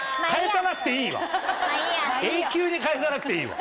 永久に返さなくていいわ。